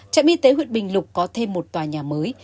trạm y tế huyện bình lục có thêm một tòa nhà mới